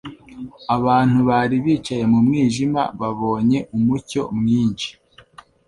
abantu bari bicaye mu mwijima babonye umucyo mwinshi.